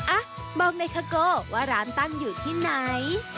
อ่ะบอกไนคาโก้ว่าร้านตั้งอยู่ที่ไหน